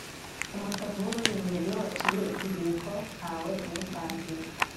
Umutavu w’urulimi iyo waciye ikiziliko ntawe uwutangira.